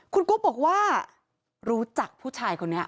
คุณกุ๊กบอกว่ารู้จักผู้ชายคนนี้